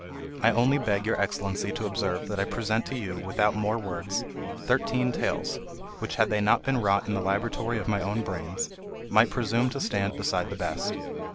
I only beg your Excellency to observe that I present to you, without more words, thirteen tales, which, had they not been wrought in the laboratory of my own brains, might presume to stand beside the best.